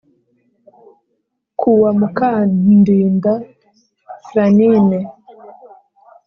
Ku wa Mukandinda Fran ine